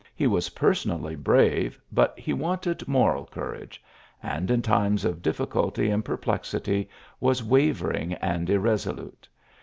He was personally brave, but he wanted moral courage, and in times of difficulty and perplexity, was wavering and irresolute.